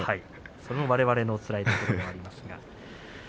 それは、われわれのつらいところではありますが。